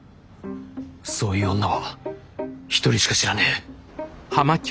そういう女は一人しか知らねえ。